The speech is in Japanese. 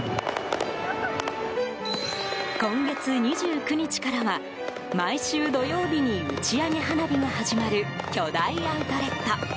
今月２９日からは、毎週土曜日に打ち上げ花火が始まる巨大アウトレット。